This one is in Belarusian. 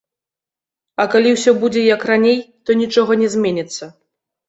А калі ўсё будзе як раней, то нічога не зменіцца.